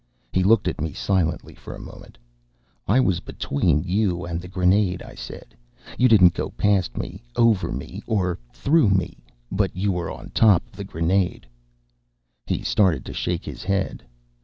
He looked at me silently for a moment. "I was between you and the grenade," I said. "You didn't go past me, over me, or through me. But you were on top of the grenade." He started to shake his head.